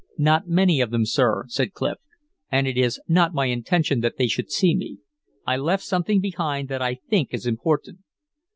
"Not many of them, sir," said Clif. "And it is not my intention that they should see me. I left something behind that I think is important."